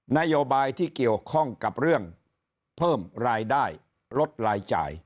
นโยบายที่เกี่ยวข้องกับเรื่องเพิ่มรายได้ลดรายจ่าย